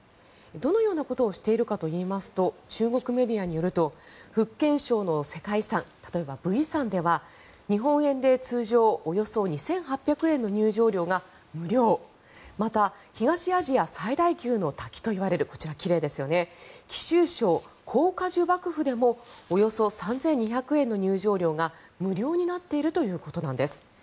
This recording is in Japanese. どのようなことをしているかといいますと中国メディアによると福建省の世界遺産例えば武夷山では日本円で通常およそ２８００円の入場料が無料また、東アジア最大級の滝といわれるこちら奇麗ですよね貴州省・黄果樹瀑布でもおよそ３２００円の入場料が無料になっているということです。